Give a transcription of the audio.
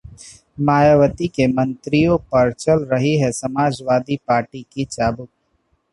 मायावती के मंत्रियों पर चल रही है समाजवादी पार्टी की चाबुक